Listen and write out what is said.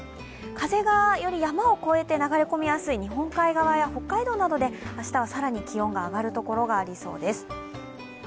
風がより山を越えて流れ込みやすい日本海側や北海道などで明日は更に気温が上がるところがありそうです。